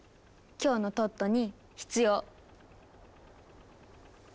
今日のトットに必要！